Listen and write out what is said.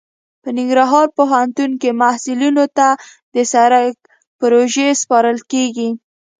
په ننګرهار پوهنتون کې محصلینو ته د سرک پروژې سپارل کیږي